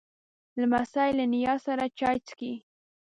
لمسی له نیا سره چای څښي.